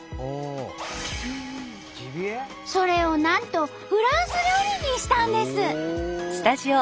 それをなんとフランス料理にしたんです！